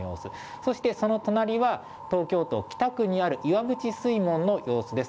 そして、その隣は東京都北区にある岩淵水門の様子です。